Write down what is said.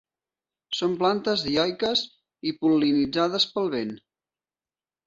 Són plantes dioiques i pol·linitzades pel vent.